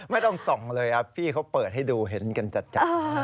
ไม่ต้องส่องเลยครับพี่เขาเปิดให้ดูเห็นกันจัด